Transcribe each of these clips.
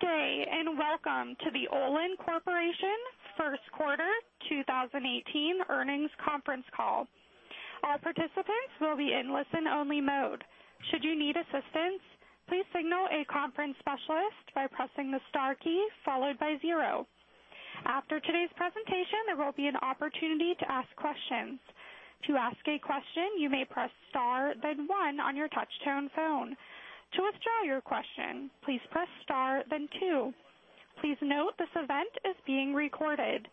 Good day, and welcome to the Olin Corporation first quarter 2018 earnings conference call. All participants will be in listen-only mode. Should you need assistance, please signal a conference specialist by pressing the star key followed by zero. After today's presentation, there will be an opportunity to ask questions. To ask a question, you may press star, then one on your touchtone phone. To withdraw your question, please press star then two. Please note this event is being recorded.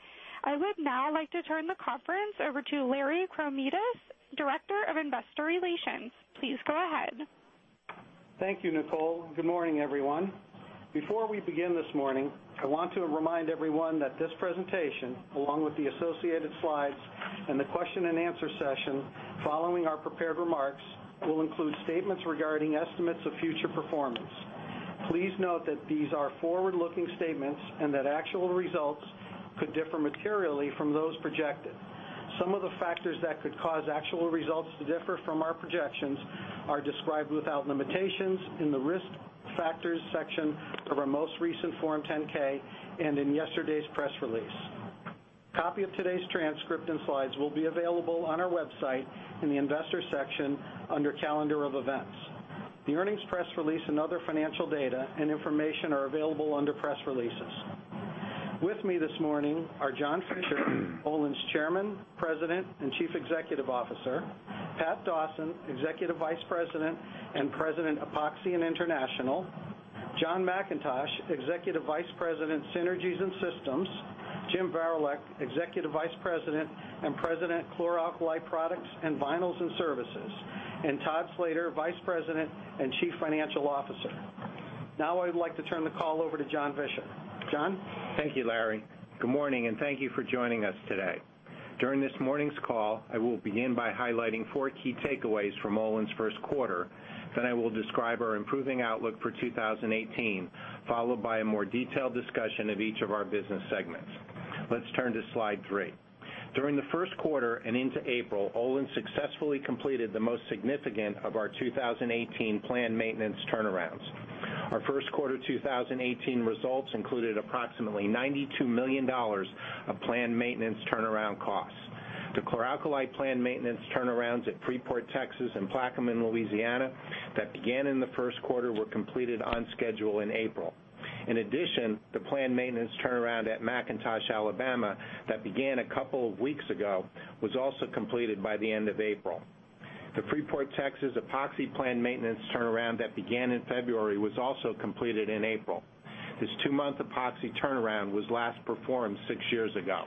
I would now like to turn the conference over to Larry Kromidas, Director of Investor Relations. Please go ahead. Thank you, Nicole. Good morning, everyone. Before we begin this morning, I want to remind everyone that this presentation, along with the associated slides and the question and answer session following our prepared remarks, will include statements regarding estimates of future performance. Please note that these are forward-looking statements and that actual results could differ materially from those projected. Some of the factors that could cause actual results to differ from our projections are described without limitations in the Risk Factors section of our most recent Form 10-K and in yesterday's press release. A copy of today's transcript and slides will be available on our website in the Investor section under Calendar of Events. The earnings press release and other financial data and information are available under Press Releases. With me this morning are John Fischer, Olin's Chairman, President, and Chief Executive Officer, Pat Dawson, Executive Vice President and President, Epoxy and International, John McIntosh, Executive Vice President, Synergies and Systems, Jim Varilek, Executive Vice President and President, Chlor Alkali Products and Vinyls and Services, and Todd Slater, Vice President and Chief Financial Officer. Now I would like to turn the call over to John Fischer. John? Thank you, Larry. Good morning, and thank you for joining us today. During this morning's call, I will begin by highlighting four key takeaways from Olin's first quarter. Then I will describe our improving outlook for 2018, followed by a more detailed discussion of each of our business segments. Let's turn to slide three. During the first quarter and into April, Olin successfully completed the most significant of our 2018 planned maintenance turnarounds. Our first quarter 2018 results included approximately $92 million of planned maintenance turnaround costs. The chlor-alkali planned maintenance turnarounds at Freeport, Texas, and Plaquemine, Louisiana, that began in the first quarter were completed on schedule in April. In addition, the planned maintenance turnaround at McIntosh, Alabama, that began a couple of weeks ago, was also completed by the end of April. The Freeport, Texas, epoxy planned maintenance turnaround that began in February was also completed in April. This two-month epoxy turnaround was last performed six years ago.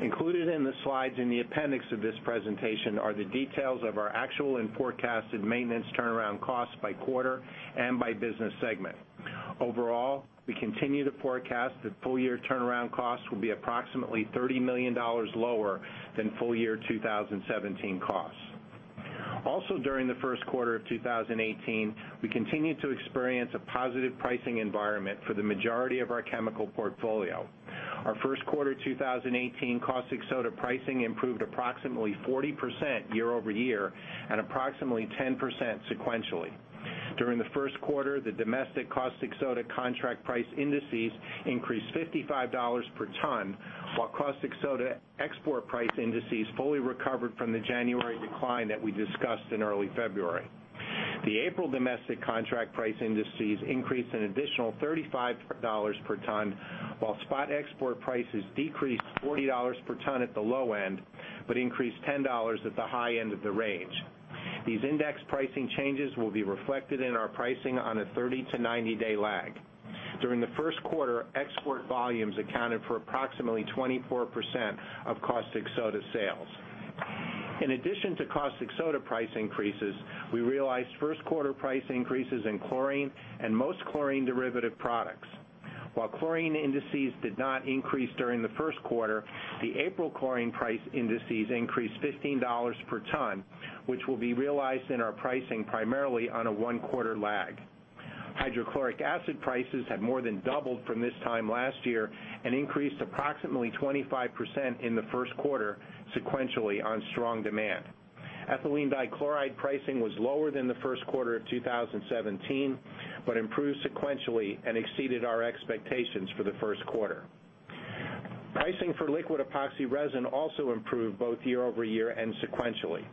Included in the slides in the appendix of this presentation are the details of our actual and forecasted maintenance turnaround costs by quarter and by business segment. Overall, we continue to forecast that full-year turnaround costs will be approximately $30 million lower than full year 2017 costs. Also during the first quarter of 2018, we continued to experience a positive pricing environment for the majority of our chemical portfolio. Our first quarter 2018 caustic soda pricing improved approximately 40% year-over-year and approximately 10% sequentially. During the first quarter, the domestic caustic soda contract price indices increased $55 per ton, while caustic soda export price indices fully recovered from the January decline that we discussed in early February. The April domestic contract price indices increased an additional $35 per ton, while spot export prices decreased $40 per ton at the low end but increased $10 at the high end of the range. These index pricing changes will be reflected in our pricing on a 30 to 90-day lag. During the first quarter, export volumes accounted for approximately 24% of caustic soda sales. In addition to caustic soda price increases, we realized first quarter price increases in chlorine and most chlorine derivative products. While chlorine indices did not increase during the first quarter, the April chlorine price indices increased $15 per ton, which will be realized in our pricing primarily on a one-quarter lag. Hydrochloric acid prices have more than doubled from this time last year and increased approximately 25% in the first quarter sequentially on strong demand. Ethylene dichloride pricing was lower than the first quarter of 2017, but improved sequentially and exceeded our expectations for the first quarter. Pricing for liquid epoxy resin also improved both year-over-year and sequentially.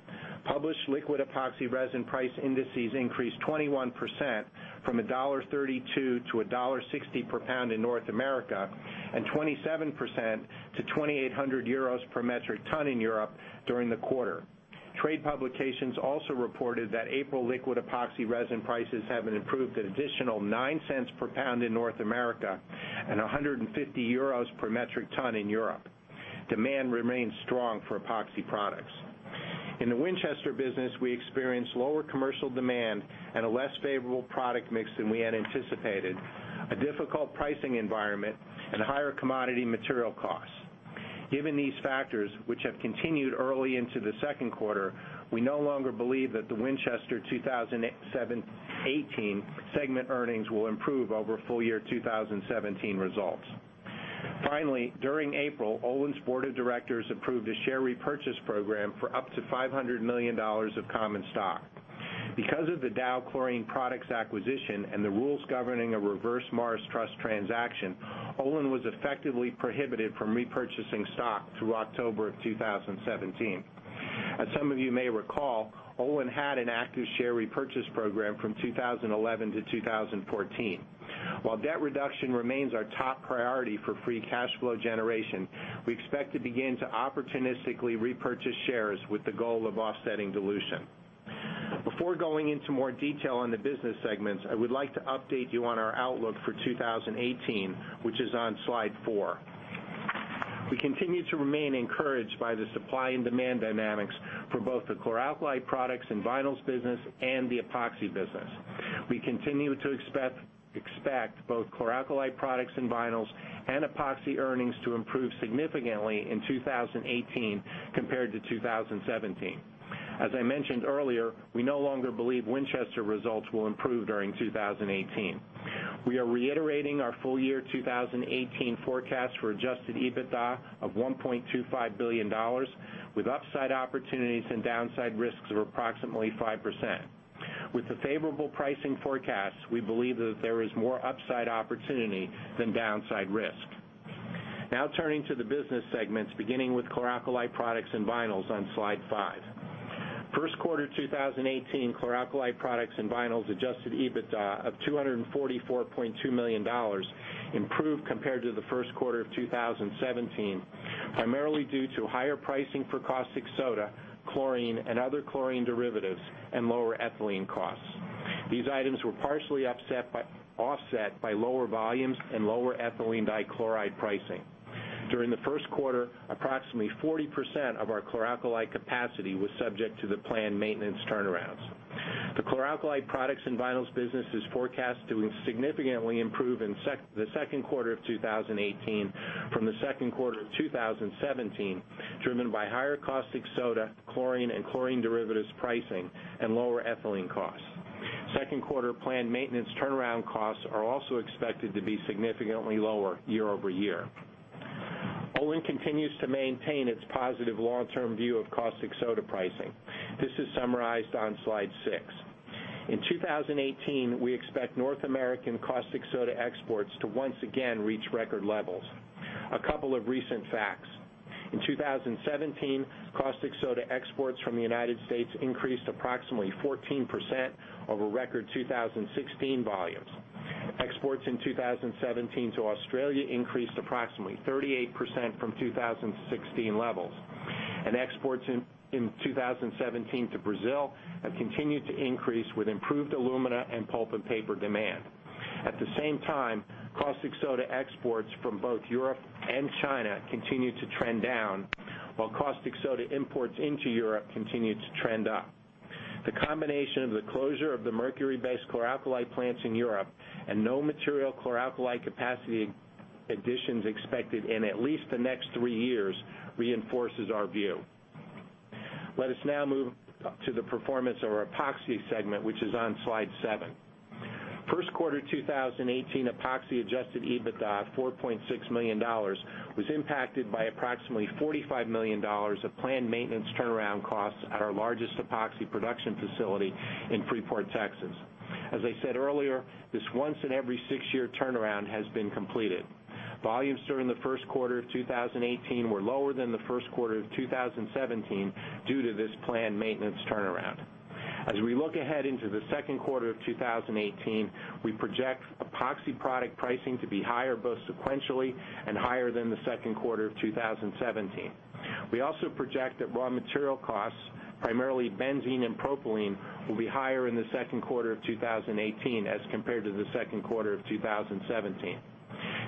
Published liquid epoxy resin price indices increased 21% from $1.32 to $1.60 per pound in North America and 27% to €2,800 per metric ton in Europe during the quarter. Trade publications also reported that April liquid epoxy resin prices have improved an additional 0.09 per pound in North America and €150 per metric ton in Europe. Demand remains strong for epoxy products. In the Winchester business, we experienced lower commercial demand and a less favorable product mix than we had anticipated, a difficult pricing environment, and higher commodity material costs. Given these factors, which have continued early into the second quarter, we no longer believe that the Winchester 2018 segment earnings will improve over full year 2017 results. Finally, during April, Olin's board of directors approved a share repurchase program for up to $500 million of common stock. Because of the Dow Chlorine Products acquisition and the rules governing a Reverse Morris Trust transaction, Olin was effectively prohibited from repurchasing stock through October of 2017. As some of you may recall, Olin had an active share repurchase program from 2011 to 2014. While debt reduction remains our top priority for free cash flow generation, we expect to begin to opportunistically repurchase shares with the goal of offsetting dilution. Before going into more detail on the business segments, I would like to update you on our outlook for 2018, which is on slide four. We continue to remain encouraged by the supply and demand dynamics for both the Chlor Alkali Products and Vinyls business and the Epoxy business. We continue to expect both Chlor Alkali Products and Vinyls and Epoxy earnings to improve significantly in 2018 compared to 2017. As I mentioned earlier, we no longer believe Winchester results will improve during 2018. We are reiterating our full year 2018 forecast for adjusted EBITDA of $1.25 billion, with upside opportunities and downside risks of approximately 5%. With the favorable pricing forecast, we believe that there is more upside opportunity than downside risk. Turning to the business segments, beginning with Chlor Alkali Products and Vinyls on slide five. First quarter 2018 Chlor Alkali Products and Vinyls adjusted EBITDA of $244.2 million improved compared to the first quarter of 2017, primarily due to higher pricing for caustic soda, chlorine, and other chlorine derivatives, and lower ethylene costs. These items were partially offset by lower volumes and lower ethylene dichloride pricing. During the first quarter, approximately 40% of our chlor-alkali capacity was subject to the planned maintenance turnarounds. The Chlor Alkali Products and Vinyls business is forecast to significantly improve in the second quarter of 2018 from the second quarter of 2017, driven by higher caustic soda, chlorine, and chlorine derivatives pricing, and lower ethylene costs. Second quarter planned maintenance turnaround costs are also expected to be significantly lower year-over-year. Olin continues to maintain its positive long-term view of caustic soda pricing. This is summarized on slide six. In 2018, we expect North American caustic soda exports to once again reach record levels. A couple of recent facts. In 2017, caustic soda exports from the U.S. increased approximately 14% over record 2016 volumes. Exports in 2017 to Australia increased approximately 38% from 2016 levels. Exports in 2017 to Brazil have continued to increase with improved alumina and pulp and paper demand. At the same time, caustic soda exports from both Europe and China continued to trend down, while caustic soda imports into Europe continued to trend up. The combination of the closure of the mercury-based chlor-alkali plants in Europe and no material chlor-alkali capacity additions expected in at least the next three years reinforces our view. Let us now move to the performance of our Epoxy segment, which is on slide seven. First quarter 2018 Epoxy adjusted EBITDA of $4.6 million was impacted by approximately $45 million of planned maintenance turnaround costs at our largest Epoxy production facility in Freeport, Texas. As I said earlier, this once in every six-year turnaround has been completed. Volumes during the first quarter of 2018 were lower than the first quarter of 2017 due to this planned maintenance turnaround. As we look ahead into the second quarter of 2018, we project Epoxy product pricing to be higher both sequentially and higher than the second quarter of 2017. We also project that raw material costs, primarily benzene and propylene, will be higher in the second quarter of 2018 as compared to the second quarter of 2017.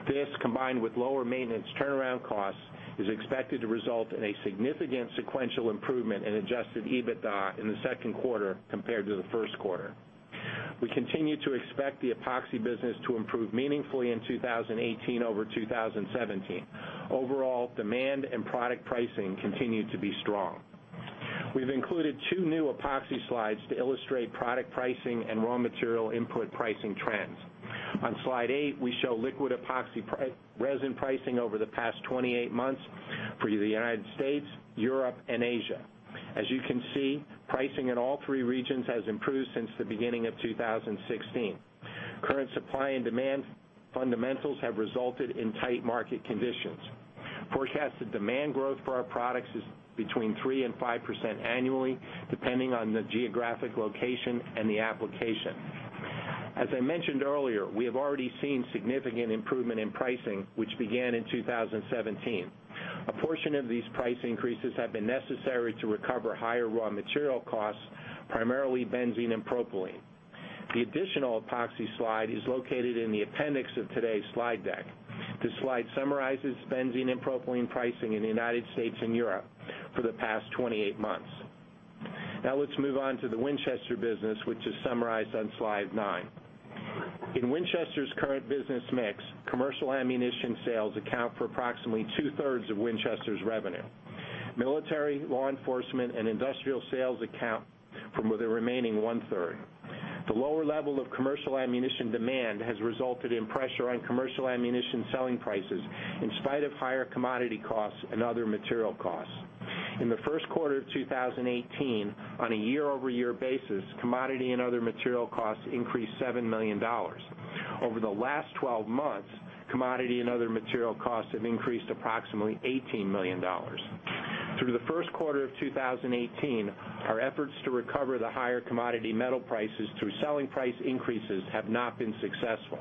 This, combined with lower maintenance turnaround costs, is expected to result in a significant sequential improvement in adjusted EBITDA in the second quarter compared to the first quarter. We continue to expect the Epoxy business to improve meaningfully in 2018 over 2017. Overall, demand and product pricing continued to be strong. We've included two new Epoxy slides to illustrate product pricing and raw material input pricing trends. On slide eight, we show liquid epoxy resin pricing over the past 28 months for the United States, Europe, and Asia. As you can see, pricing in all three regions has improved since the beginning of 2016. Current supply and demand fundamentals have resulted in tight market conditions. Forecasted demand growth for our products is between 3% and 5% annually, depending on the geographic location and the application. As I mentioned earlier, we have already seen significant improvement in pricing, which began in 2017. A portion of these price increases have been necessary to recover higher raw material costs, primarily benzene and propylene. The additional epoxy slide is located in the appendix of today's slide deck. This slide summarizes benzene and propylene pricing in the United States and Europe for the past 28 months. Now let's move on to the Winchester business, which is summarized on slide nine. In Winchester's current business mix, commercial ammunition sales account for approximately two-thirds of Winchester's revenue. Military, law enforcement, and industrial sales account for the remaining one-third. The lower level of commercial ammunition demand has resulted in pressure on commercial ammunition selling prices in spite of higher commodity costs and other material costs. In the first quarter of 2018, on a year-over-year basis, commodity and other material costs increased $7 million. Over the last 12 months, commodity and other material costs have increased approximately $18 million. Through the first quarter of 2018, our efforts to recover the higher commodity metal prices through selling price increases have not been successful.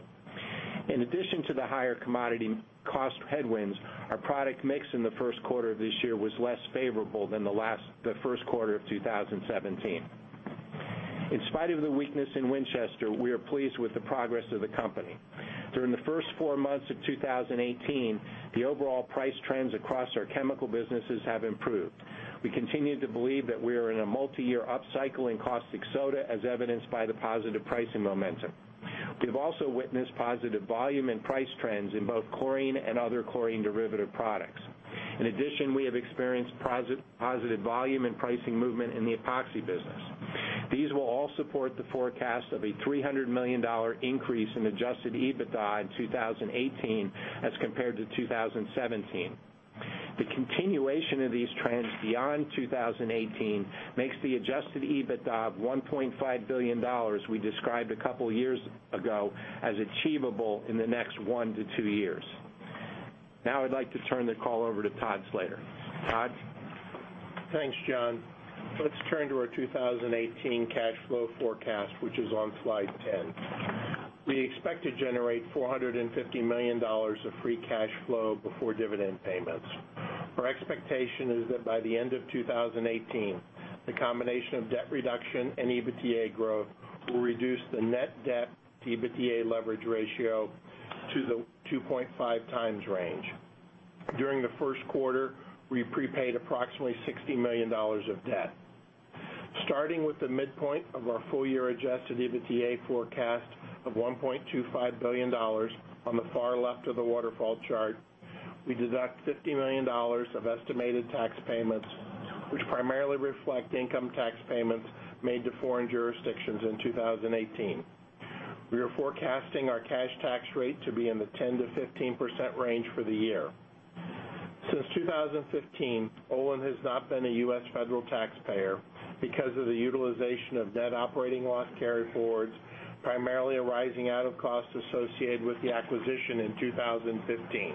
In addition to the higher commodity cost headwinds, our product mix in the first quarter of this year was less favorable than the first quarter of 2017. In spite of the weakness in Winchester, we are pleased with the progress of the company. During the first four months of 2018, the overall price trends across our chemical businesses have improved. We continue to believe that we are in a multi-year upcycle in caustic soda, as evidenced by the positive pricing momentum. We have also witnessed positive volume and price trends in both chlorine and other chlorine derivative products. In addition, we have experienced positive volume and pricing movement in the epoxy business. These will all support the forecast of a $300 million increase in adjusted EBITDA in 2018 as compared to 2017. The continuation of these trends beyond 2018 makes the adjusted EBITDA of $1.5 billion we described a couple of years ago as achievable in the next one to two years. Now I'd like to turn the call over to Todd Slater. Todd? Thanks, John. Let's turn to our 2018 cash flow forecast, which is on slide 10. We expect to generate $450 million of free cash flow before dividend payments. Our expectation is that by the end of 2018, the combination of debt reduction and EBITDA growth will reduce the net debt to EBITDA leverage ratio to the 2.5 times range. During the first quarter, we prepaid approximately $60 million of debt. Starting with the midpoint of our full year adjusted EBITDA forecast of $1.25 billion on the far left of the waterfall chart, we deduct $50 million of estimated tax payments, which primarily reflect income tax payments made to foreign jurisdictions in 2018. We are forecasting our cash tax rate to be in the 10%-15% range for the year. Since 2015, Olin has not been a U.S. federal taxpayer because of the utilization of net operating loss carryforwards, primarily arising out of costs associated with the acquisition in 2015.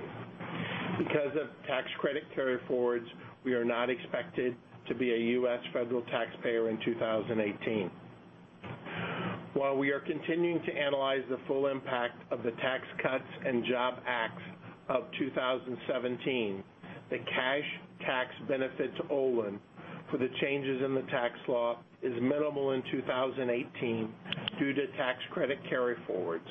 Because of tax credit carryforwards, we are not expected to be a U.S. federal taxpayer in 2018. While we are continuing to analyze the full impact of the Tax Cuts and Jobs Act of 2017, the cash tax benefit to Olin for the changes in the tax law is minimal in 2018 due to tax credit carryforwards.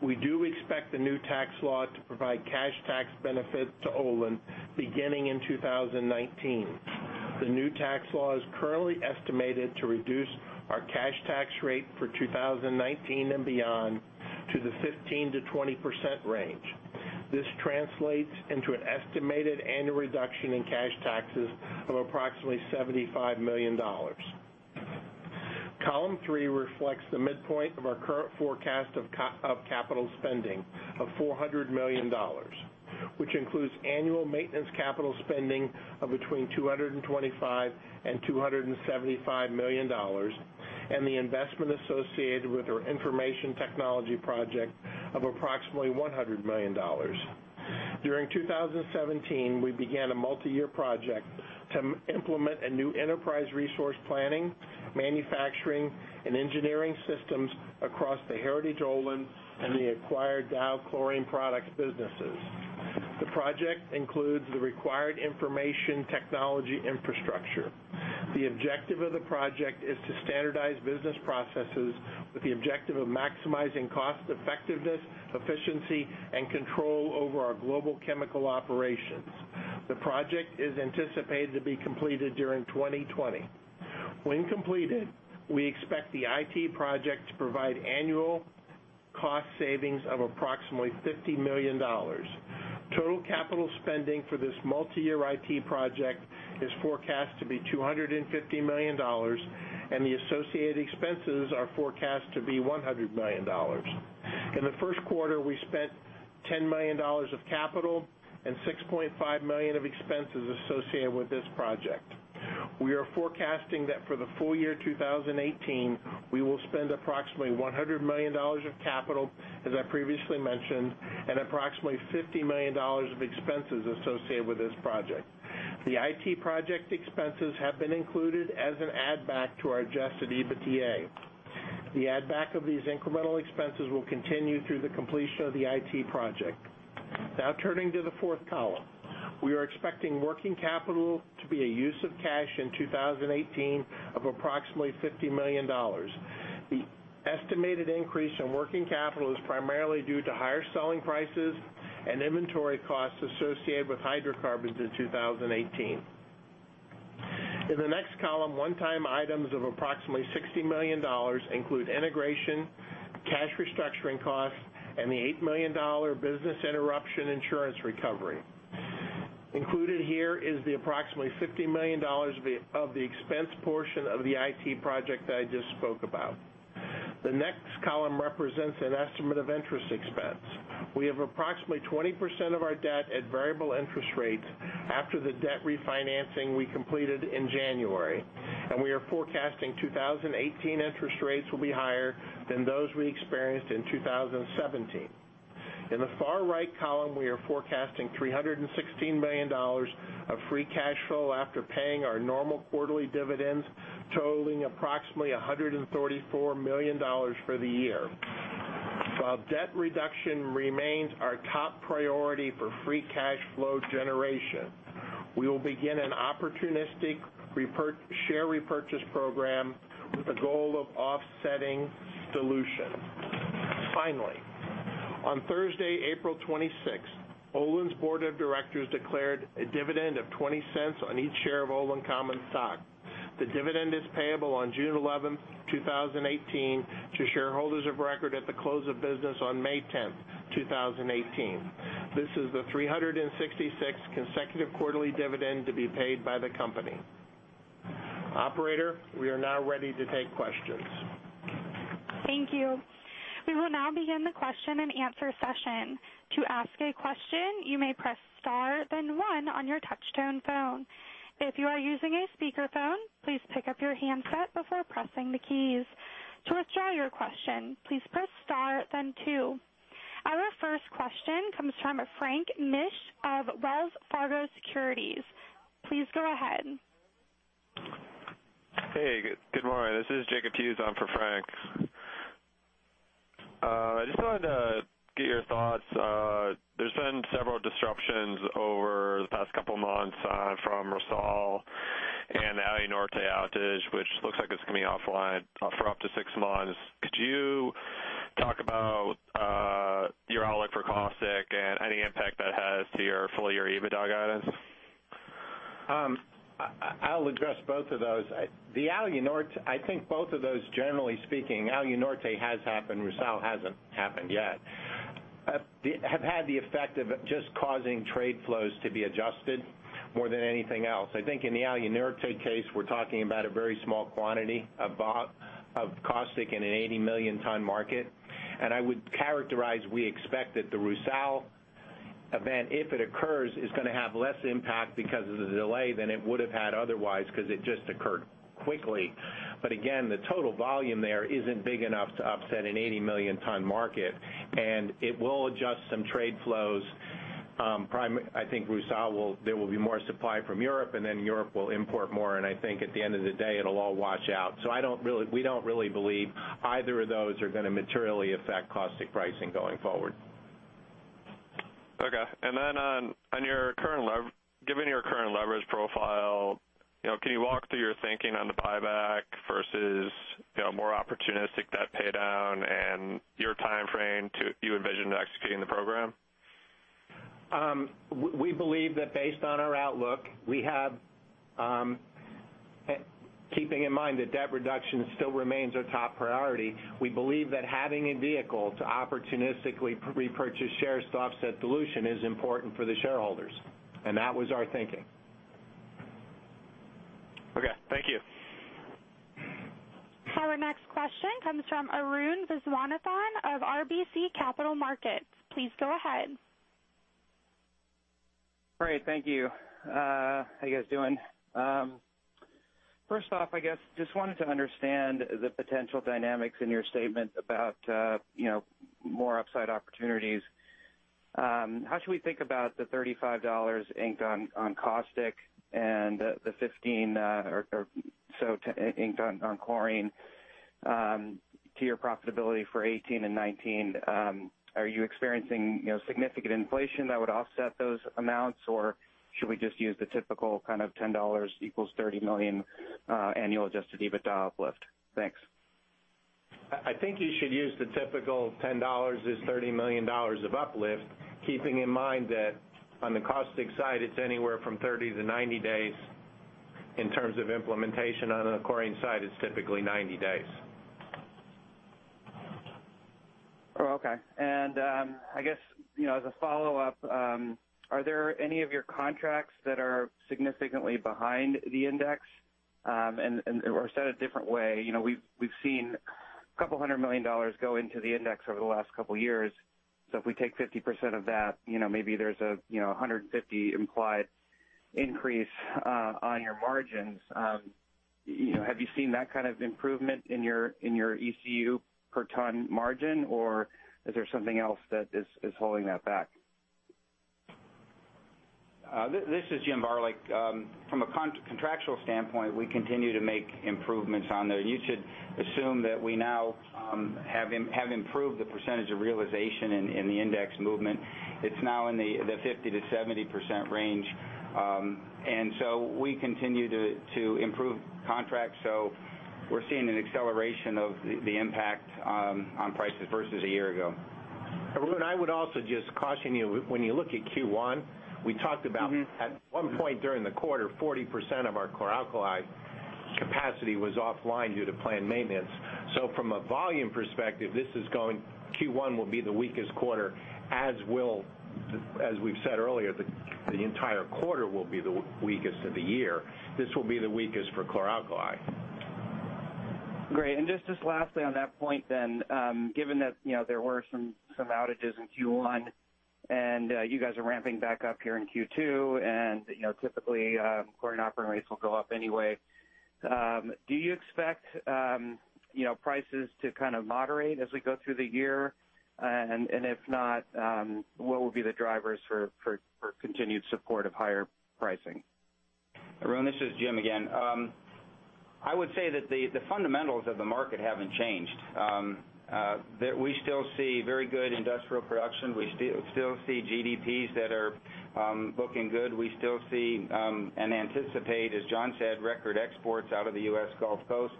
We do expect the new tax law to provide cash tax benefit to Olin beginning in 2019. The new tax law is currently estimated to reduce our cash tax rate for 2019 and beyond to the 15%-20% range. This translates into an estimated annual reduction in cash taxes of approximately $75 million. Column three reflects the midpoint of our current forecast of capital spending of $400 million, which includes annual maintenance capital spending of between $225 million and $275 million, and the investment associated with our information technology project of approximately $100 million. During 2017, we began a multi-year project to implement a new enterprise resource planning, manufacturing, and engineering systems across the heritage Olin and the acquired Dow Chlorine Products businesses. The project includes the required information technology infrastructure. The objective of the project is to standardize business processes with the objective of maximizing cost effectiveness, efficiency, and control over our global chemical operations. The project is anticipated to be completed during 2020. When completed, we expect the IT project to provide annual cost savings of approximately $50 million. Total capital spending for this multi-year IT project is forecast to be $250 million, and the associated expenses are forecast to be $100 million. In the first quarter, we spent $10 million of capital and $6.5 million of expenses associated with this project. We are forecasting that for the full year 2018, we will spend approximately $100 million of capital, as I previously mentioned, and approximately $50 million of expenses associated with this project. The IT project expenses have been included as an add back to our adjusted EBITDA. The add back of these incremental expenses will continue through the completion of the IT project. Now turning to the fourth column. We are expecting working capital to be a use of cash in 2018 of approximately $50 million. The estimated increase in working capital is primarily due to higher selling prices and inventory costs associated with hydrocarbons in 2018. In the next column, one-time items of approximately $60 million include integration, cash restructuring costs, and the $8 million business interruption insurance recovery. Included here is the approximately $50 million of the expense portion of the IT project that I just spoke about. The next column represents an estimate of interest expense. We have approximately 20% of our debt at variable interest rates after the debt refinancing we completed in January, and we are forecasting 2018 interest rates will be higher than those we experienced in 2017. In the far right column, we are forecasting $316 million of free cash flow after paying our normal quarterly dividends, totaling approximately $134 million for the year. While debt reduction remains our top priority for free cash flow generation, we will begin an opportunistic share repurchase program with a goal of offsetting dilution. On Thursday, April 26th, Olin's board of directors declared a dividend of $0.20 on each share of Olin common stock. The dividend is payable on June 11th, 2018, to shareholders of record at the close of business on May 10th, 2018. This is the 366th consecutive quarterly dividend to be paid by the company. Operator, we are now ready to take questions. Thank you. We will now begin the question and answer session. To ask a question, you may press star then one on your touch tone phone. If you are using a speakerphone, please pick up your handset before pressing the keys. To withdraw your question, please press star then two. Our first question comes from Frank Mitsch of Wells Fargo Securities. Please go ahead. Hey, good morning. This is Jacob Hughes on for Frank. I just wanted to get your thoughts. There's been several disruptions over the past couple of months from Rusal and the Alunorte outage, which looks like it's coming offline for up to six months. Could you talk about your outlook for caustic and any impact that has to your full-year EBITDA guidance? I'll address both of those. I think both of those, generally speaking, Alunorte has happened, Rusal hasn't happened yet. Have had the effect of just causing trade flows to be adjusted more than anything else. I think in the Alunorte case, we're talking about a very small quantity of caustic in an 80 million ton market. I would characterize, we expect that the Rusal event, if it occurs, is going to have less impact because of the delay than it would have had otherwise, because it just occurred quickly. Again, the total volume there isn't big enough to upset an 80 million ton market, and it will adjust some trade flows. I think Rusal, there will be more supply from Europe, and then Europe will import more, and I think at the end of the day, it'll all wash out. We don't really believe either of those are going to materially affect caustic pricing going forward. Given your current leverage profile, can you walk through your thinking on the buyback versus more opportunistic debt paydown and your timeframe you envision executing the program? We believe that based on our outlook, keeping in mind that debt reduction still remains our top priority, we believe that having a vehicle to opportunistically repurchase shares to offset dilution is important for the shareholders, and that was our thinking. Thank you. Our next question comes from Arun Viswanathan of RBC Capital Markets. Please go ahead. Great, thank you. How you guys doing? First off, I guess just wanted to understand the potential dynamics in your statement about more upside opportunities. How should we think about the $35 inked on caustic and the 15 or so inked on chlorine to your profitability for 2018 and 2019? Are you experiencing significant inflation that would offset those amounts, or should we just use the typical kind of $10 equals $30 million annual adjusted EBITDA uplift? Thanks. I think you should use the typical $10 is $30 million of uplift, keeping in mind that on the caustic side, it's anywhere from 30-90 days in terms of implementation. On the chlorine side, it's typically 90 days. Oh, okay. I guess as a follow-up, are there any of your contracts that are significantly behind the index? Or said a different way, we've seen a couple hundred million dollars go into the index over the last couple of years. If we take 50% of that, maybe there's a 150 implied increase on your margins. Have you seen that kind of improvement in your ECU per ton margin, or is there something else that is holding that back? This is James Varilek. From a contractual standpoint, we continue to make improvements on there. You should assume that we now have improved the percentage of realization in the index movement. It's now in the 50%-70% range. We continue to improve Correct. We're seeing an acceleration of the impact on prices versus a year ago. Arun, I would also just caution you, when you look at Q1, we talked about at one point during the quarter, 40% of our chlor-alkali capacity was offline due to planned maintenance. From a volume perspective, Q1 will be the weakest quarter, as we've said earlier, the entire quarter will be the weakest of the year. This will be the weakest for chlor-alkali. Great. Just lastly on that point then, given that there were some outages in Q1 and you guys are ramping back up here in Q2 and typically, chlorine operating rates will go up anyway. Do you expect prices to kind of moderate as we go through the year? If not, what will be the drivers for continued support of higher pricing? Arun, this is Jim again. I would say that the fundamentals of the market haven't changed, that we still see very good industrial production. We still see GDPs that are looking good. We still see, and anticipate, as John said, record exports out of the U.S. Gulf Coast.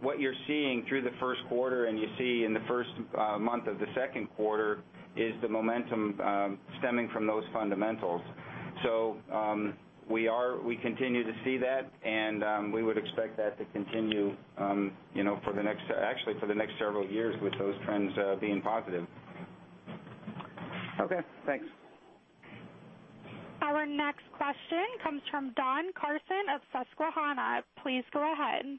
What you're seeing through the first quarter, and you see in the first month of the second quarter is the momentum stemming from those fundamentals. We continue to see that, and we would expect that to continue actually for the next several years with those trends being positive. Okay, thanks. Our next question comes from Don Carson of Susquehanna. Please go ahead.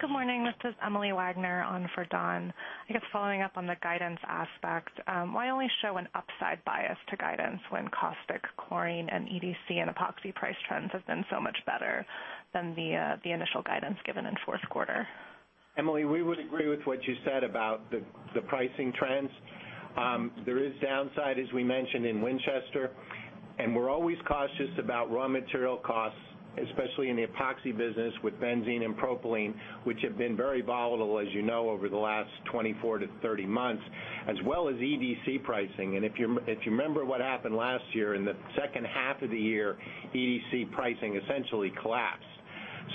Good morning. This is Emily Wagner on for Don. I guess following up on the guidance aspect. Why only show an upside bias to guidance when caustic chlorine and EDC and epoxy price trends have been so much better than the initial guidance given in the fourth quarter? Emily, we would agree with what you said about the pricing trends. There is a downside, as we mentioned in Winchester, we're always cautious about raw material costs, especially in the epoxy business with benzene and propylene, which have been very volatile, as you know, over the last 24 to 30 months, as well as EDC pricing. If you remember what happened last year, in the second half of the year, EDC pricing essentially collapsed.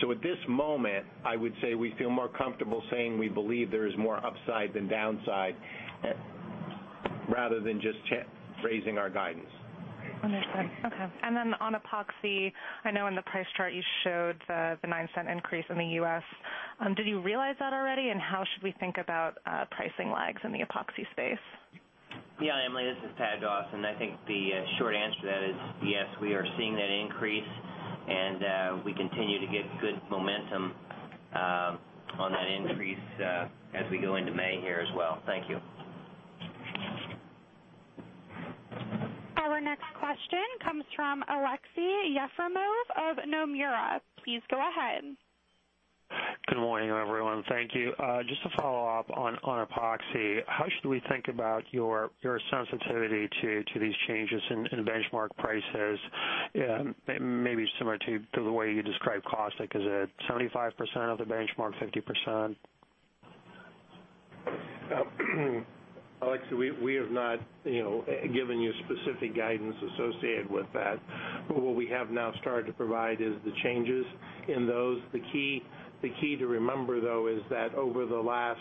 At this moment, I would say we feel more comfortable saying we believe there is more upside than downside rather than just raising our guidance. Understood. Okay. On epoxy, I know in the price chart you showed the $0.09 increase in the U.S. Did you realize that already? How should we think about pricing lags in the epoxy space? Emily, this is Pat Dawson. I think the short answer to that is yes, we are seeing that increase, we continue to get good momentum on that increase as we go into May here as well. Thank you. Our next question comes from Aleksey Yefremov of Nomura. Please go ahead. Good morning, everyone. Thank you. Just to follow up on epoxy, how should we think about your sensitivity to these changes in benchmark prices? Maybe similar to the way you describe caustic. Is it 75% of the benchmark, 50%? Aleksey, we have not given you specific guidance associated with that. What we have now started to provide is the changes in those. The key to remember, though, is that over the last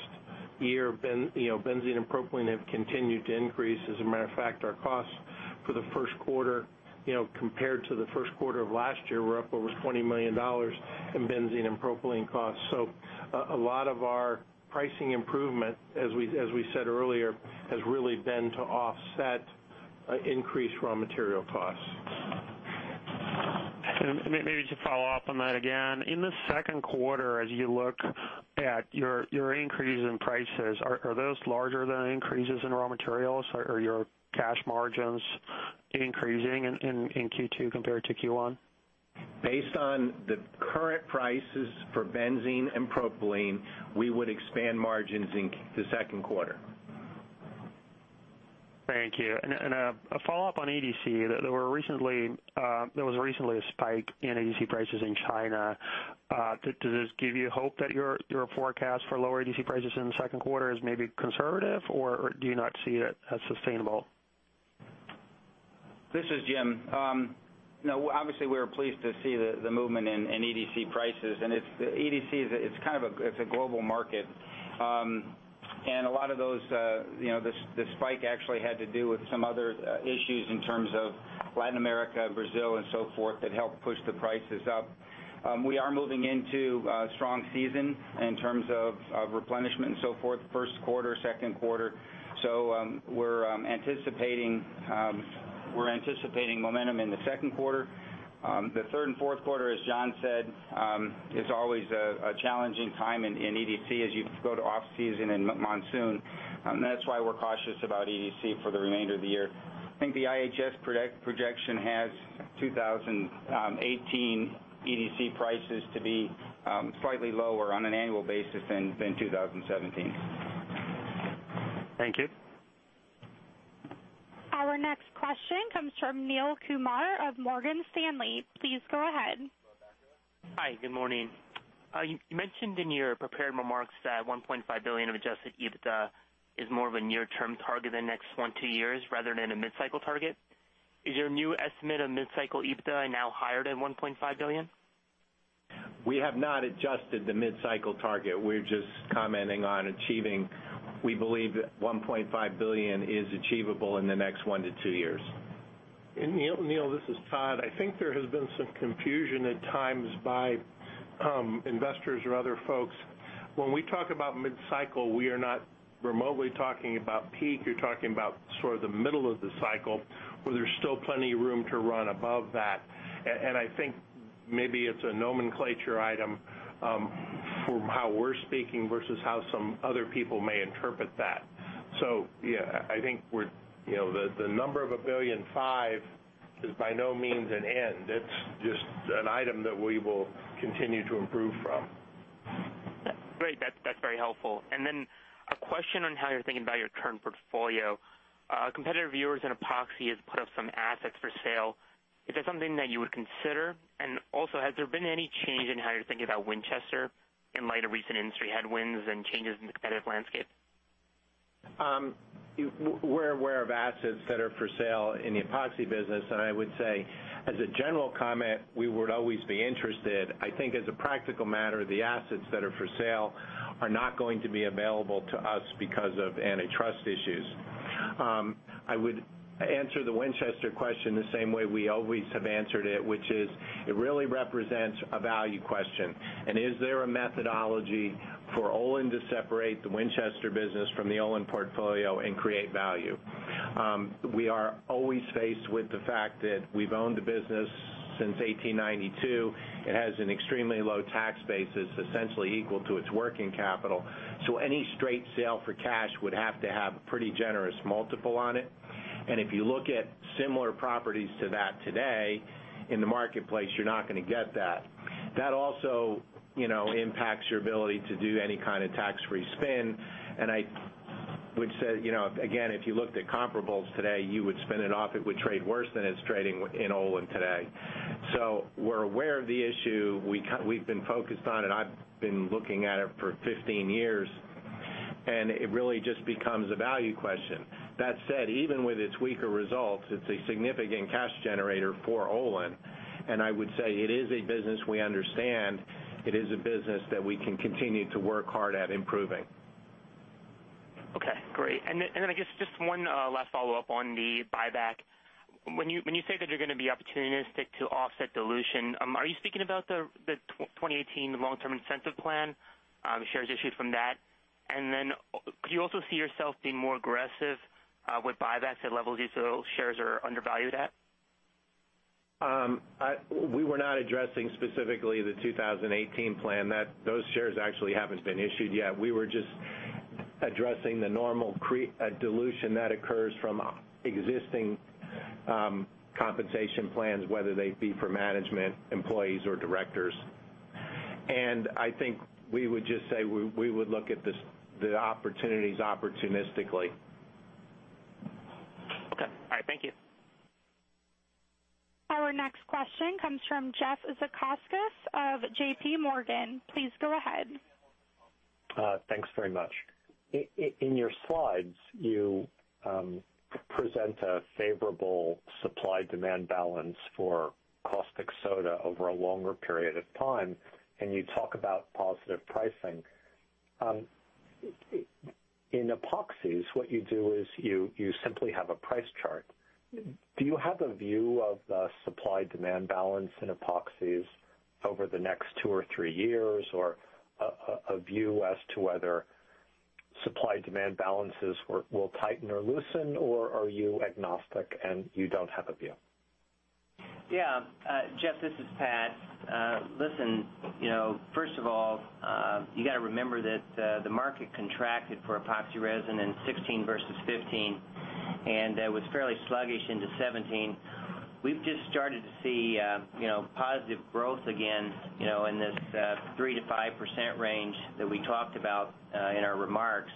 year, benzene and propylene have continued to increase. As a matter of fact, our costs for the first quarter compared to the first quarter of last year, we're up over $20 million in benzene and propylene costs. A lot of our pricing improvement, as we said earlier, has really been to offset increased raw material costs. Maybe to follow up on that again. In the second quarter, as you look at your increase in prices, are those larger than increases in raw materials? Are your cash margins increasing in Q2 compared to Q1? Based on the current prices for benzene and propylene, we would expand margins in the second quarter. Thank you. A follow-up on EDC. There was recently a spike in EDC prices in China. Does this give you hope that your forecast for lower EDC prices in the second quarter is maybe conservative, or do you not see it as sustainable? This is Jim. Obviously, we are pleased to see the movement in EDC prices. EDC is a global market. A lot of the spike actually had to do with some other issues in terms of Latin America, Brazil, and so forth, that helped push the prices up. We are moving into a strong season in terms of replenishment and so forth, first quarter, second quarter. We're anticipating momentum in the second quarter. The third and fourth quarter, as John said, is always a challenging time in EDC as you go to off-season and monsoon. That's why we're cautious about EDC for the remainder of the year. I think the IHS projection has 2018 EDC prices to be slightly lower on an annual basis than 2017. Thank you. Our next question comes from Neel Kumar of Morgan Stanley. Please go ahead. Go ahead, Neel. Hi, good morning. You mentioned in your prepared remarks that $1.5 billion of adjusted EBITDA is more of a near-term target the next 1-2 years rather than a mid-cycle target. Is your new estimate of mid-cycle EBITDA now higher than $1.5 billion? We have not adjusted the mid-cycle target. We're just commenting on achieving. We believe that $1.5 billion is achievable in the next 1-2 years. Neel, this is Todd. I think there has been some confusion at times by investors or other folks. When we talk about mid-cycle, we are not remotely talking about peak. We're talking about sort of the middle of the cycle, where there's still plenty of room to run above that. I think maybe it's a nomenclature item from how we're speaking versus how some other people may interpret that. Yeah, I think the number of $1.5 billion is by no means an end. It's just an item that we will continue to improve from. Great. That's very helpful. A question on how you're thinking about your current portfolio. Competitive views in Epoxy has put up some assets for sale. Is that something that you would consider? Also, has there been any change in how you're thinking about Winchester in light of recent industry headwinds and changes in the competitive landscape? We're aware of assets that are for sale in the Epoxy business, I would say as a general comment, we would always be interested. I think as a practical matter, the assets that are for sale are not going to be available to us because of antitrust issues. I would answer the Winchester question the same way we always have answered it, which is it really represents a value question. Is there a methodology for Olin to separate the Winchester business from the Olin portfolio and create value? We are always faced with the fact that we've owned the business since 1892. It has an extremely low tax base. It's essentially equal to its working capital. Any straight sale for cash would have to have a pretty generous multiple on it. If you look at similar properties to that today in the marketplace, you're not going to get that. That also impacts your ability to do any kind of tax-free spin, I would say again, if you looked at comparables today, you would spin it off, it would trade worse than it's trading in Olin today. We're aware of the issue. We've been focused on it. I've been looking at it for 15 years. It really just becomes a value question. That said, even with its weaker results, it's a significant cash generator for Olin, I would say it is a business we understand. It is a business that we can continue to work hard at improving. Okay, great. I guess just one last follow-up on the buyback. When you say that you're gonna be opportunistic to offset dilution, are you speaking about the 2018 long-term incentive plan, the shares issued from that? Could you also see yourself being more aggressive with buybacks at levels you feel shares are undervalued at? We were not addressing specifically the 2018 plan. Those shares actually haven't been issued yet. We were just addressing the normal dilution that occurs from existing compensation plans, whether they be for management, employees, or directors. I think we would just say we would look at the opportunities opportunistically. Okay. All right. Thank you. Our next question comes from Jeffrey Zekauskas of JPMorgan. Please go ahead. Thanks very much. In your slides, you present a favorable supply-demand balance for caustic soda over a longer period of time, and you talk about positive pricing. In epoxies, what you do is you simply have a price chart. Do you have a view of the supply-demand balance in epoxies over the next two or three years, or a view as to whether supply-demand balances will tighten or loosen, or are you agnostic and you don't have a view? Yeah. Jeff, this is Pat. Listen, first of all, you got to remember that the market contracted for epoxy resin in 2016 versus 2015, and was fairly sluggish into 2017. We've just started to see positive growth again in this 3%-5% range that we talked about in our remarks.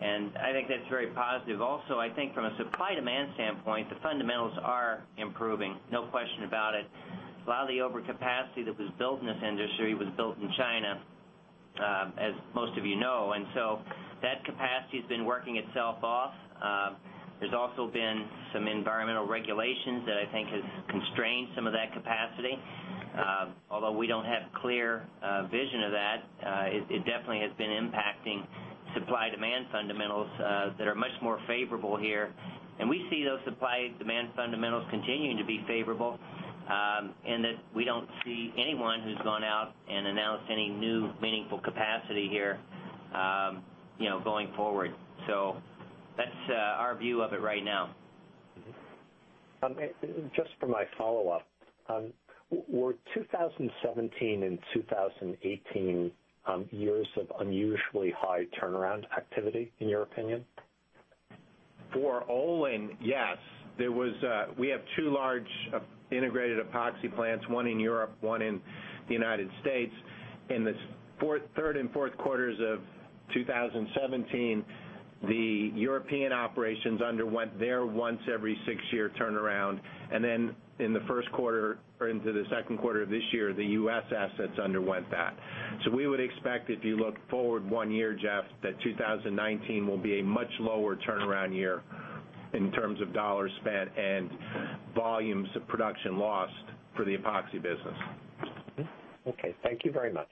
I think that's very positive. Also, I think from a supply-demand standpoint, the fundamentals are improving, no question about it. A lot of the overcapacity that was built in this industry was built in China, as most of you know. That capacity's been working itself off. There's also been some environmental regulations that I think has constrained some of that capacity. Although we don't have clear vision of that, it definitely has been impacting supply-demand fundamentals that are much more favorable here. We see those supply-demand fundamentals continuing to be favorable, and that we don't see anyone who's gone out and announced any new meaningful capacity here going forward. That's our view of it right now. Just for my follow-up, were 2017 and 2018 years of unusually high turnaround activity, in your opinion? For Olin, yes. We have two large integrated epoxy plants, one in Europe, one in the U.S. In the third and fourth quarters of 2017, the European operations underwent their once every six year turnaround, and then into the second quarter of this year, the U.S. assets underwent that. We would expect if you look forward one year, Jeff, that 2019 will be a much lower turnaround year in terms of dollars spent and volumes of production lost for the Epoxy business. Okay. Thank you very much.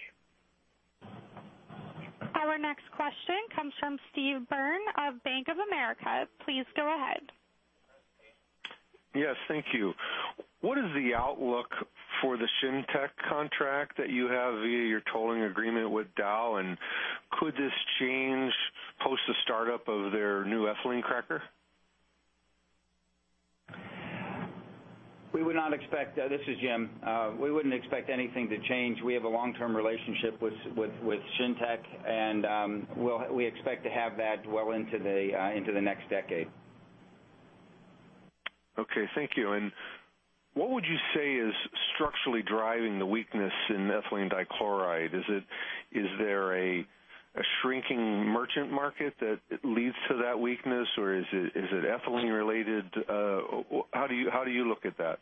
Our next question comes from Steve Byrne of Bank of America. Please go ahead. Yes, thank you. What is the outlook for the Shintech contract that you have via your tolling agreement with Dow? Could this change post the startup of their new ethylene cracker? This is Jim. We wouldn't expect anything to change. We have a long-term relationship with Shintech, and we expect to have that well into the next decade. Okay, thank you. What would you say is structurally driving the weakness in ethylene dichloride? Is there a shrinking merchant market that leads to that weakness, or is it ethylene related? How do you look at that?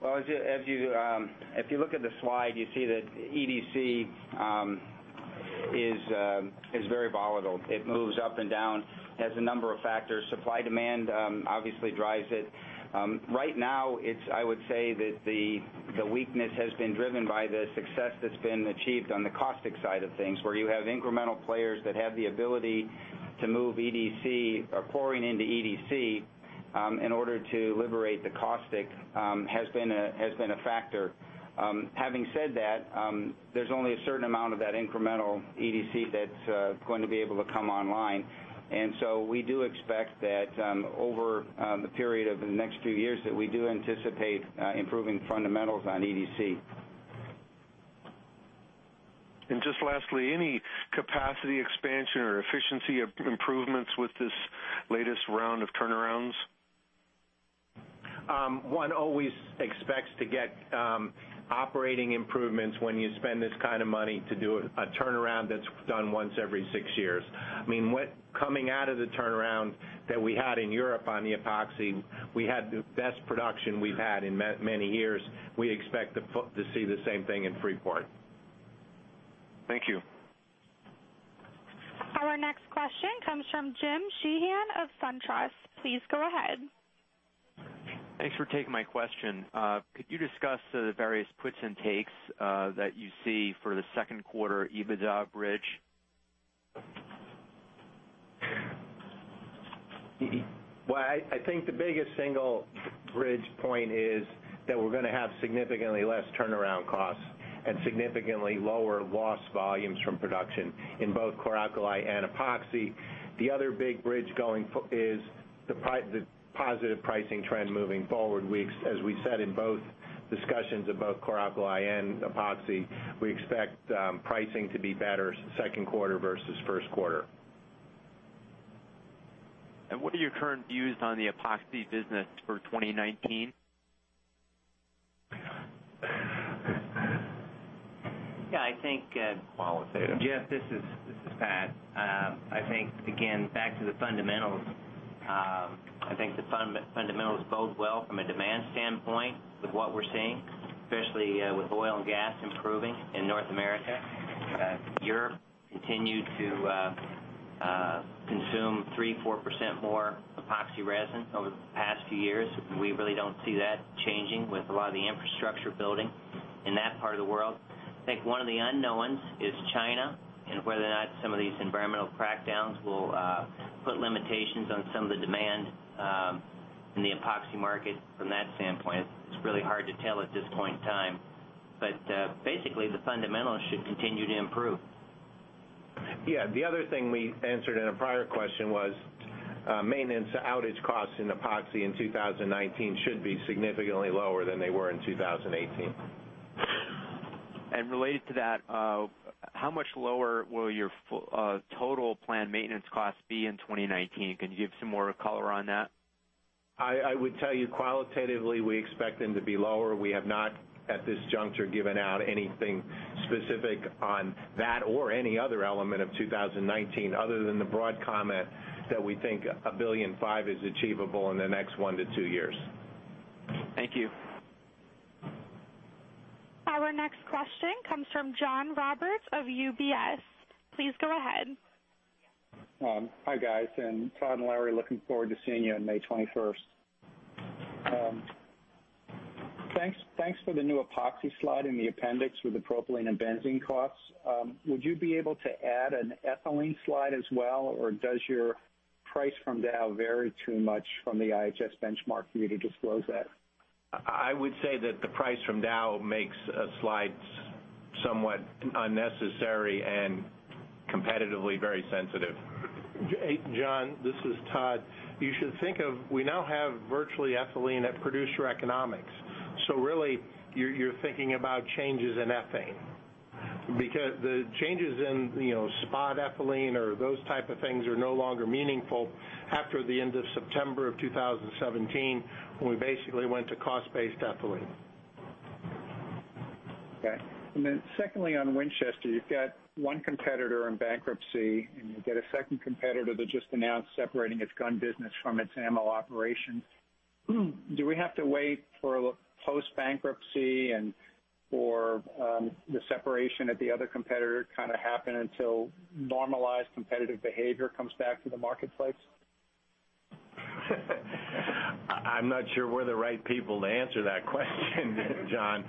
Well, if you look at the slide, you see that EDC is very volatile. It moves up and down, has a number of factors. Supply-demand obviously drives it. Right now, I would say that the weakness has been driven by the success that's been achieved on the caustic side of things, where you have incremental players that have the ability to move EDC or pouring into EDC in order to liberate the caustic has been a factor. Having said that, there's only a certain amount of that incremental EDC that's going to be able to come online. So we do expect that over the period of the next few years that we do anticipate improving fundamentals on EDC. Just lastly, any capacity expansion or efficiency improvements with this latest round of turnarounds? One always expects to get operating improvements when you spend this kind of money to do a turnaround that's done once every six years. Coming out of the turnaround that we had in Europe on the epoxy, we had the best production we've had in many years. We expect to see the same thing in Freeport. Thank you. Our next question comes from James Sheehan of SunTrust. Please go ahead. Thanks for taking my question. Could you discuss the various puts and takes that you see for the second quarter EBITDA bridge? Well, I think the biggest single bridge point is that we're going to have significantly less turnaround costs and significantly lower loss volumes from production in both chlor-alkali and epoxy. The other big bridge going is the positive pricing trend moving forward. As we said in both discussions of both chlor-alkali and epoxy, we expect pricing to be better second quarter versus first quarter. What are your current views on the epoxy business for 2019? Jeff, this is Pat. I think, again, back to the fundamentals. I think the fundamentals bode well from a demand standpoint with what we're seeing, especially with oil and gas improving in North America. Europe continued to consume 3%-4% more epoxy resin over the past few years, and we really don't see that changing with a lot of the infrastructure building in that part of the world. I think one of the unknowns is China and whether or not some of these environmental crackdowns will put limitations on some of the demand in the epoxy market from that standpoint. It's really hard to tell at this point in time. Basically, the fundamentals should continue to improve. The other thing we answered in a prior question was maintenance outage costs in epoxy in 2019 should be significantly lower than they were in 2018. Related to that, how much lower will your total planned maintenance cost be in 2019? Can you give some more color on that? I would tell you qualitatively, we expect them to be lower. We have not, at this juncture, given out anything specific on that or any other element of 2019 other than the broad comment that we think $1.5 billion is achievable in the next one to two years. Thank you. Our next question comes from John Roberts of UBS. Please go ahead. Hi, guys. Todd and Larry, looking forward to seeing you on May 21st. Thanks for the new epoxy slide in the appendix with the propylene and benzene costs. Would you be able to add an ethylene slide as well? Does your price from Dow vary too much from the IHS benchmark for you to disclose that? I would say that the price from Dow makes slides somewhat unnecessary and competitively very sensitive. John, this is Todd. You should think of, we now have virtually ethylene at producer economics. Really, you're thinking about changes in ethane because the changes in spot ethylene or those type of things are no longer meaningful after the end of September of 2017, when we basically went to cost-based ethylene. Okay. Then secondly, on Winchester, you've got one competitor in bankruptcy, and you've got a second competitor that just announced separating its gun business from its ammo operation. Do we have to wait for post-bankruptcy and for the separation at the other competitor to kind of happen until normalized competitive behavior comes back to the marketplace? I'm not sure we're the right people to answer that question, John.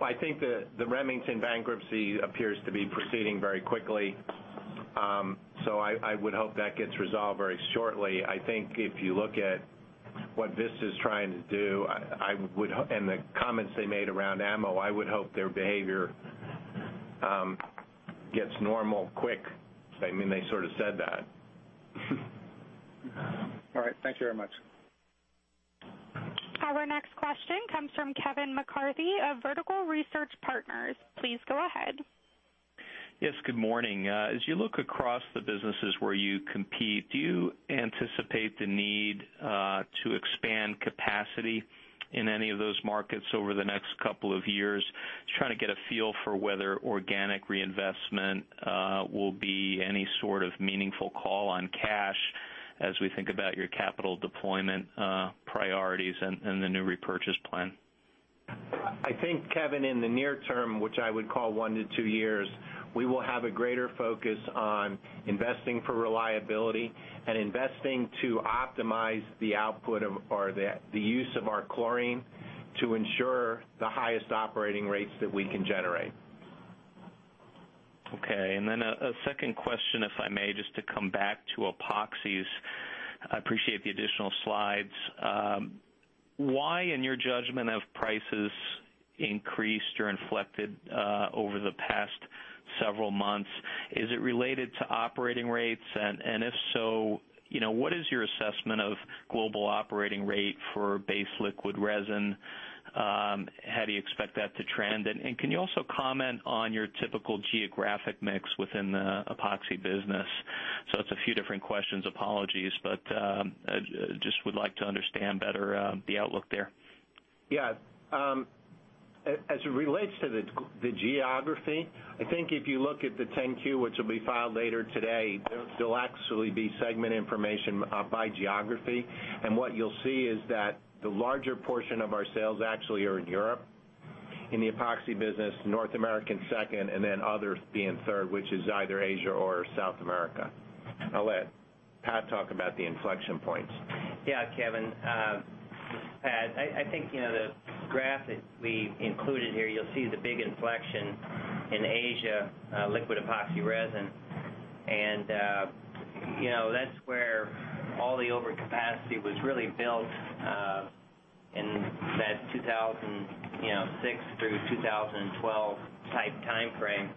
I think the Remington bankruptcy appears to be proceeding very quickly. I would hope that gets resolved very shortly. I think if you look at what this is trying to do, and the comments they made around ammo, I would hope their behavior gets normal quick. They sort of said that. All right. Thank you very much. Our next question comes from Kevin McCarthy of Vertical Research Partners. Please go ahead. Yes, good morning. As you look across the businesses where you compete, do you anticipate the need to expand capacity in any of those markets over the next couple of years? Just trying to get a feel for whether organic reinvestment will be any sort of meaningful call on cash as we think about your capital deployment priorities and the new repurchase plan. I think, Kevin, in the near term, which I would call one to two years, we will have a greater focus on investing for reliability and investing to optimize the use of our chlorine to ensure the highest operating rates that we can generate. Okay. A second question, if I may, just to come back to epoxies. I appreciate the additional slides. Why, in your judgment, have prices increased or inflected over the past several months? Is it related to operating rates? If so, what is your assessment of global operating rate for base liquid epoxy resin? How do you expect that to trend? Can you also comment on your typical geographic mix within the epoxy business? It's a few different questions, apologies, but just would like to understand better the outlook there. Yeah. As it relates to the geography, I think if you look at the 10-Q, which will be filed later today, there'll actually be segment information by geography. What you'll see is that the larger portion of our sales actually are in Europe. In the epoxy business, North American second, others being third, which is either Asia or South America. I'll let Pat talk about the inflection points. Yeah, Kevin. Pat, I think the graph that we included here, you'll see the big inflection in Asia liquid epoxy resin. That's where all the overcapacity was really built in that 2006 through 2012 type timeframe.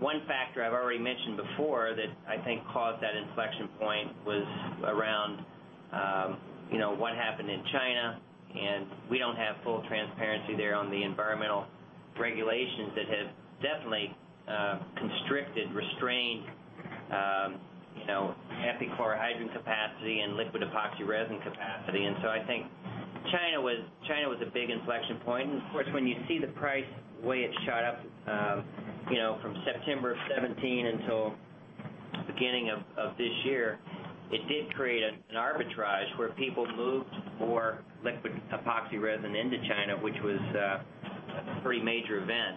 One factor I've already mentioned before that I think caused that inflection point was around what happened in China. We don't have full transparency there on the environmental regulations that have definitely constricted, restrained epichlorohydrin capacity and liquid epoxy resin capacity. I think China was a big inflection point. Of course, when you see the price, the way it shot up from September of 2017 until beginning of this year, it did create an arbitrage where people moved more liquid epoxy resin into China, which was a pretty major event.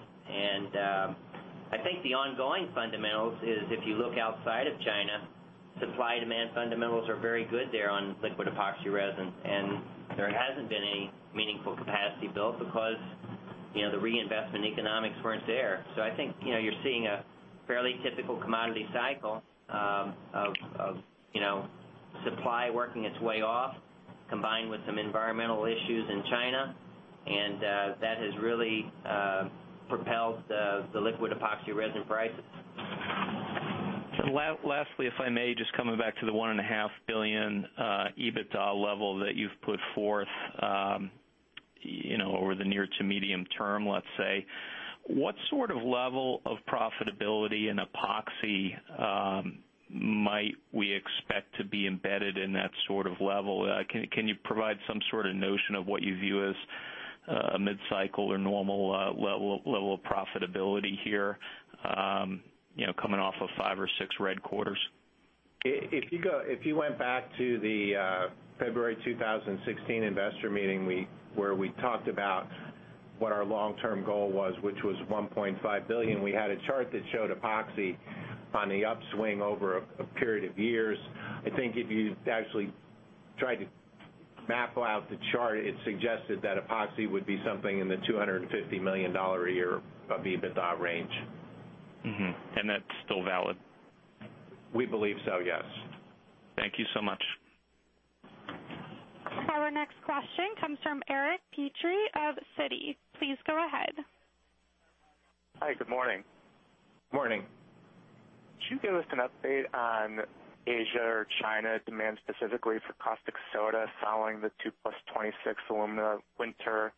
I think the ongoing fundamentals is if you look outside of China, supply and demand fundamentals are very good there on liquid epoxy resin. There hasn't been any meaningful capacity built because the reinvestment economics weren't there. I think you're seeing a fairly typical commodity cycle of supply working its way off, combined with some environmental issues in China. That has really propelled the liquid epoxy resin prices. Lastly, if I may, just coming back to the $1.5 billion EBITDA level that you've put forth over the near to medium term, let's say. What sort of level of profitability and epoxy might we expect to be embedded in that sort of level? Can you provide some sort of notion of what you view as a mid-cycle or normal level of profitability here coming off of five or six red quarters? If you went back to the February 2016 investor meeting where we talked about what our long-term goal was, which was $1.5 billion, we had a chart that showed epoxy on the upswing over a period of years. I think if you actually tried to map out the chart, it suggested that epoxy would be something in the $250 million a year of EBITDA range. That's still valid? We believe so, yes. Thank you so much. Our next question comes from Eric Petrie of Citi. Please go ahead. Hi, good morning. Morning. Could you give us an update on Asia or China demand specifically for caustic soda following the two plus 26 Alumina winter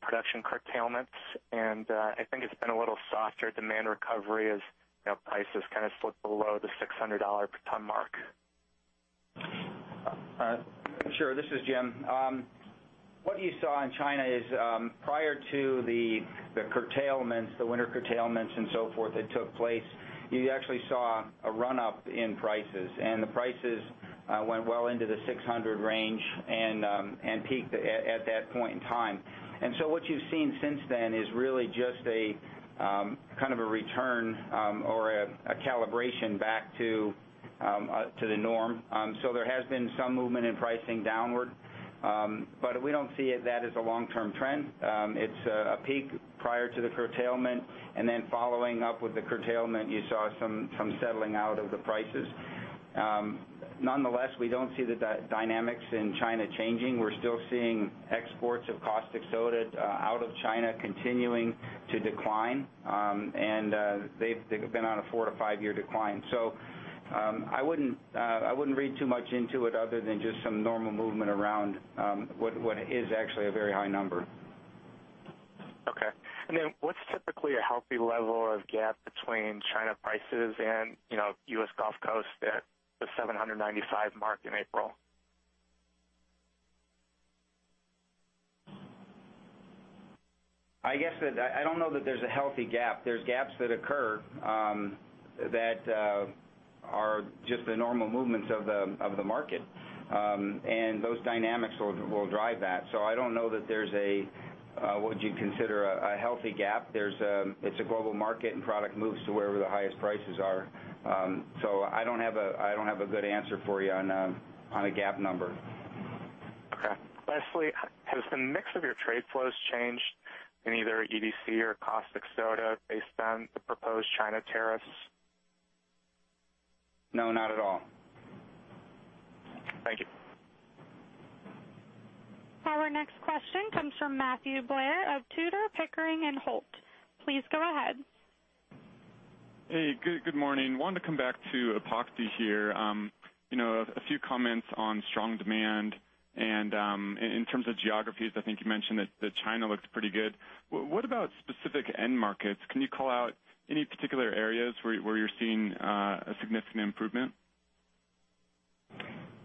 production curtailments? I think it's been a little softer demand recovery as prices kind of slipped below the $600 per ton mark. Sure. This is Jim. What you saw in China is prior to the winter curtailments and so forth that took place, you actually saw a run-up in prices, and the prices went well into the 600 range and peaked at that point in time. What you've seen since then is really just a kind of a return or a calibration back to To the norm. There has been some movement in pricing downward. We don't see that as a long-term trend. It's a peak prior to the curtailment, and then following up with the curtailment, you saw some settling out of the prices. Nonetheless, we don't see the dynamics in China changing. We're still seeing exports of caustic soda out of China continuing to decline. They've been on a four to five-year decline. I wouldn't read too much into it other than just some normal movement around what is actually a very high number. Okay. What's typically a healthy level of gap between China prices and U.S. Gulf Coast at the 795 mark in April? I don't know that there's a healthy gap. There's gaps that occur that are just the normal movements of the market. Those dynamics will drive that. I don't know that there's what you'd consider a healthy gap. It's a global market and product moves to wherever the highest prices are. I don't have a good answer for you on a gap number. Okay. Lastly, has the mix of your trade flows changed in either EDC or caustic soda based on the proposed China tariffs? No, not at all. Thank you. Our next question comes from Matthew Blair of Tudor, Pickering, Holt & Co. Please go ahead. Hey, good morning. Wanted to come back to epoxy here. A few comments on strong demand. In terms of geographies, I think you mentioned that China looks pretty good. What about specific end markets? Can you call out any particular areas where you're seeing a significant improvement?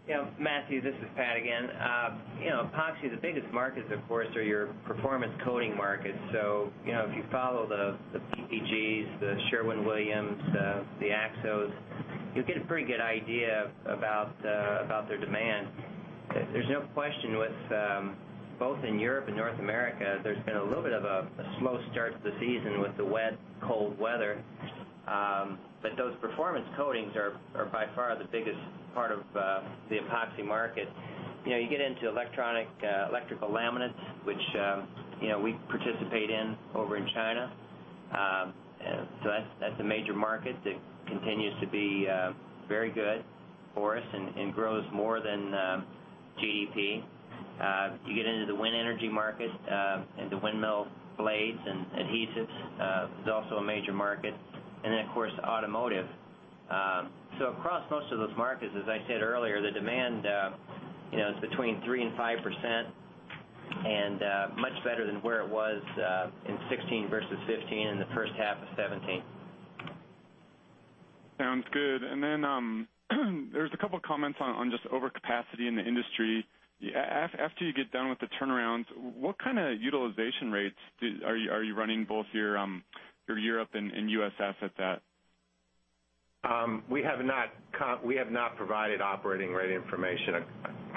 Yeah, Matthew, this is Pat again. Epoxy, the biggest markets, of course, are your performance coating markets. If you follow the PPG, the Sherwin-Williams, the AkzoNobel, you'll get a pretty good idea about their demand. There's no question with both in Europe and North America, there's been a little bit of a slow start to the season with the wet, cold weather. Those performance coatings are by far the biggest part of the epoxy market. You get into electrical laminates, which we participate in over in China. That's a major market that continues to be very good for us and grows more than GDP. You get into the wind energy market, into windmill blades and adhesives. That's also a major market. Then, of course, automotive. Across most of those markets, as I said earlier, the demand is between 3%-5%, and much better than where it was in 2016 versus 2015 and the first half of 2017. Sounds good. Then there's a couple of comments on just overcapacity in the industry. After you get done with the turnarounds, what kind of utilization rates are you running both your Europe and U.S. assets at? We have not provided operating rate information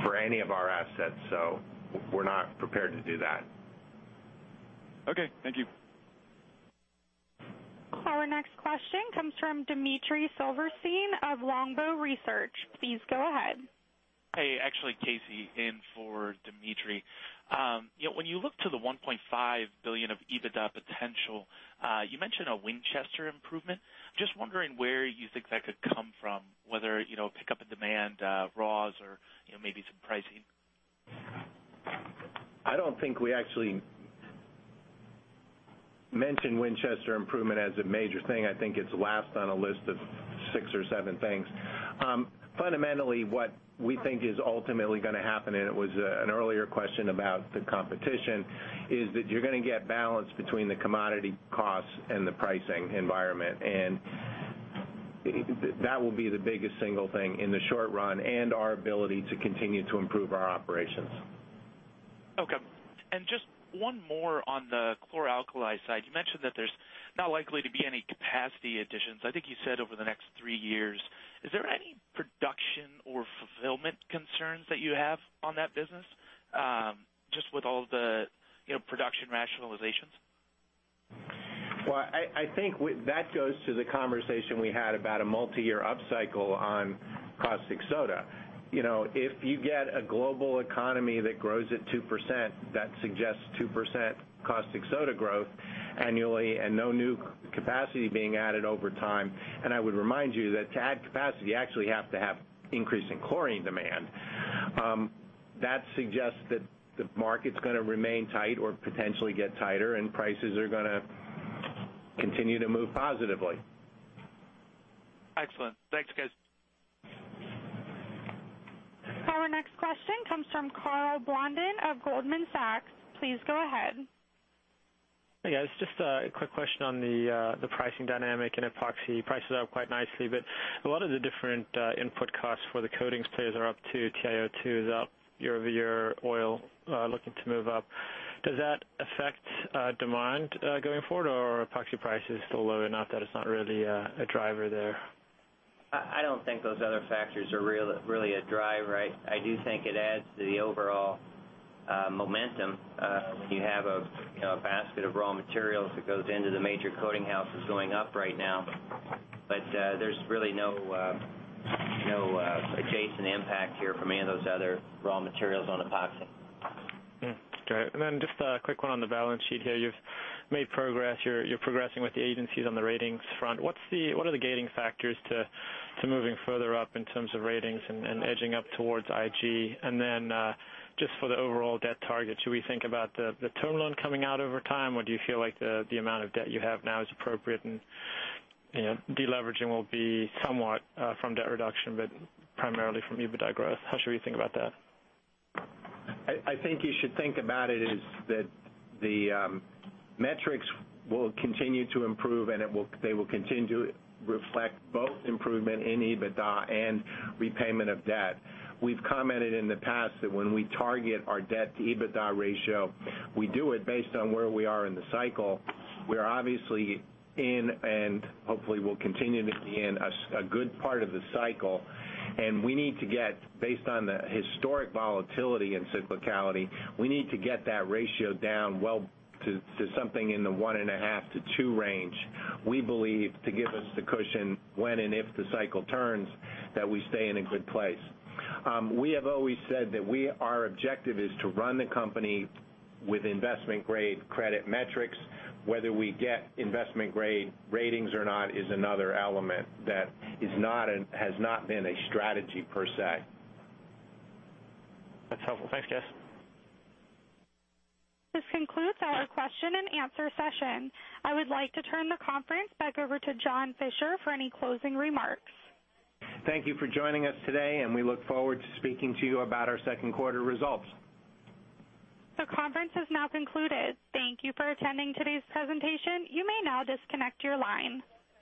for any of our assets, so we're not prepared to do that. Okay. Thank you. Our next question comes from Dmitry Silversteyn of Longbow Research. Please go ahead. Hey. Actually, Casey in for Dmitry. When you look to the $1.5 billion of EBITDA potential, you mentioned a Winchester improvement. Just wondering where you think that could come from, whether pickup in demand, raws, or maybe some pricing. I don't think we actually mentioned Winchester improvement as a major thing. I think it's last on a list of six or seven things. Fundamentally, what we think is ultimately going to happen, and it was an earlier question about the competition, is that you're going to get balance between the commodity costs and the pricing environment. That will be the biggest single thing in the short run and our ability to continue to improve our operations. Okay. Just one more on the chlor-alkali side. You mentioned that there's not likely to be any capacity additions, I think you said over the next three years. Is there any production or fulfillment concerns that you have on that business? Just with all the production rationalizations. Well, I think that goes to the conversation we had about a multi-year upcycle on caustic soda. If you get a global economy that grows at 2%, that suggests 2% caustic soda growth annually and no new capacity being added over time. I would remind you that to add capacity, you actually have to have increase in chlorine demand. That suggests that the market's going to remain tight or potentially get tighter and prices are going to continue to move positively. Excellent. Thanks, guys. Our next question comes from [Carla Blandon] of Goldman Sachs. Please go ahead. Hey, guys. Just a quick question on the pricing dynamic in epoxy. Prices are up quite nicely, but a lot of the different input costs for the coatings players are up, too. TiO2 is up year-over-year. Oil looking to move up. Does that affect demand going forward, or are epoxy prices still low enough that it's not really a driver there? I don't think those other factors are really a driver. I do think it adds to the overall momentum. When you have a basket of raw materials that goes into the major coating houses going up right now. There's really no adjacent impact here from any of those other raw materials on epoxy. Great. Just a quick one on the balance sheet here. You've made progress. You're progressing with the agencies on the ratings front. What are the gating factors to moving further up in terms of ratings and edging up towards IG? Just for the overall debt target, should we think about the term loan coming out over time, or do you feel like the amount of debt you have now is appropriate and de-leveraging will be somewhat from debt reduction, but primarily from EBITDA growth? How should we think about that? I think you should think about it as that the metrics will continue to improve, and they will continue to reflect both improvement in EBITDA and repayment of debt. We've commented in the past that when we target our debt-to-EBITDA ratio, we do it based on where we are in the cycle. We're obviously in, and hopefully will continue to be in, a good part of the cycle. We need to get, based on the historic volatility and cyclicality, we need to get that ratio down well to something in the 1.5-2 range, we believe, to give us the cushion when and if the cycle turns, that we stay in a good place. We have always said that our objective is to run the company with investment-grade credit metrics. Whether we get investment-grade ratings or not is another element that has not been a strategy per se. That's helpful. Thanks, guys. This concludes our question and answer session. I would like to turn the conference back over to John Fischer for any closing remarks. Thank you for joining us today. We look forward to speaking to you about our second quarter results. The conference has now concluded. Thank you for attending today's presentation. You may now disconnect your line.